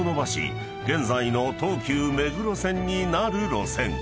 現在の東急目黒線になる路線］